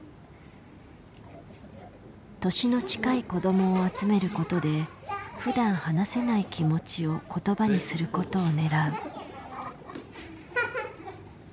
年の近い子どもを集めることでふだん話せない気持ちを言葉にすることを狙う。